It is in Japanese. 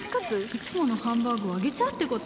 いつものハンバーグを揚げちゃうって事？